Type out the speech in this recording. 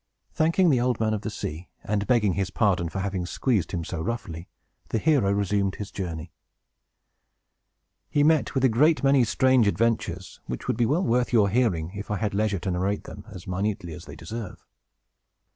Thanking the Old Man of the Sea, and begging his pardon for having squeezed him so roughly, the hero resumed his journey. He met with a great many strange adventures, which would be well worth your hearing, if I had leisure to narrate them as minutely as they deserve.